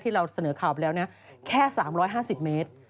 เราเสนอข่าวไปแล้วนะแค่๓๕๐เมตร